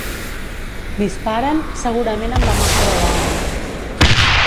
Disparen, segurament amb la mà foradada.